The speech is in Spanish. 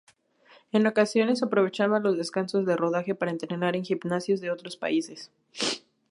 En ocasiones aprovechaba los descansos de rodaje para entrenar en gimnasios de otros países.